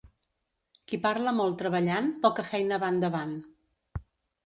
Qui parla molt treballant poca feina va endavant.